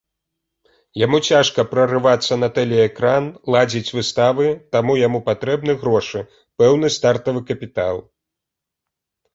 Яму цяжка прарывацца на тэлеэкран, ладзіць выставы, таму яму патрэбны грошы, пэўны стартавы капітал.